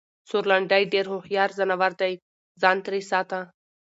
سورلنډی ډېر هوښیار ځناور دی٬ ځان ترې ساته!